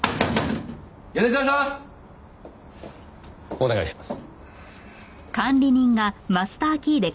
お願いします。